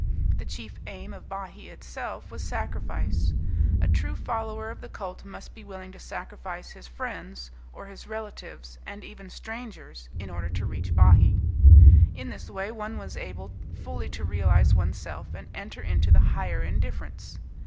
The chief aim of Bahee itself was sacrifice: a true follower of the cult must be willing to sacrifice his friends, or his relatives, and even strangers, in order to reach Bahee. In this way one was able fully to realize oneself and enter into the Higher Indifference.